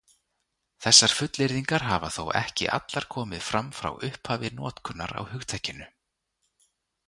Þessar fullyrðingar hafa þó ekki allar komið fram frá upphafi notkunar á hugtakinu.